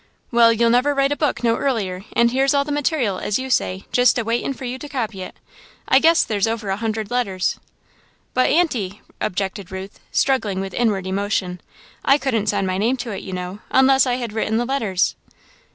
"Well, you'll never write a book no earlier, and here's all the material, as you say, jest a waitin' for you to copy it. I guess there's over a hundred letters." "But, Aunty," objected Ruth, struggling with inward emotion, "I couldn't sign my name to it, you know, unless I had written the letters."